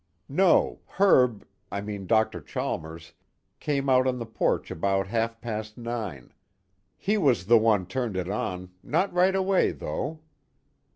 "No. Herb, I mean Dr. Chalmers, came out on the porch about half past nine. He was the one turned it on not right away though."